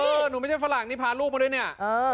หนูไม่ใช่ฝรั่งนี่พาลูกมาด้วยเนี่ย